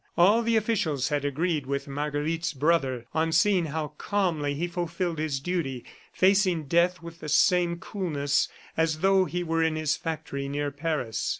All the officials had agreed with Marguerite's brother on seeing how calmly he fulfilled his duty, facing death with the same coolness as though he were in his factory near Paris.